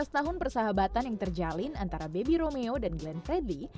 tujuh belas tahun persahabatan yang terjalin antara baby romeo dan glenn fredly